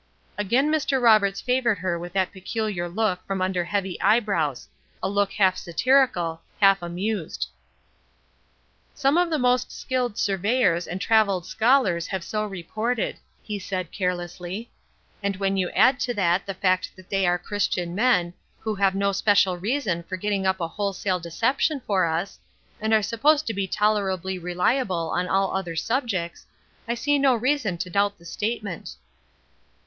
Again Mr. Roberts favored her with that peculiar look from under heavy eyebrows a look half satirical, half amused. "Some of the most skilled surveyors and traveled scholars have so reported," he said, carelessly. "And when you add to that the fact that they are Christian men, who have no special reason for getting up a wholesale deception for us, and are supposed to be tolerably reliable on all other subjects, I see no reason to doubt the statement."